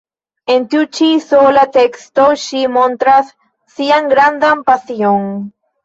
En tiu ĉi sola teksto ŝi montras sian grandan pasion!